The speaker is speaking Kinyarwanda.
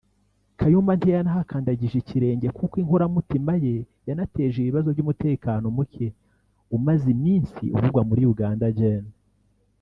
Kayumba ntiyahakandagije ikirenge kuko inkoramutima ye yanateje ibibazo by’umutekano muke umaze iminsi uvugwa muri Uganda Gen